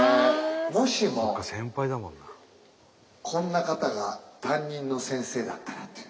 もしもこんな方が担任の先生だったらっていう。